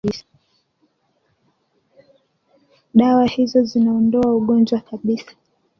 dawa hizo zinaondoa ugonjwa kabisa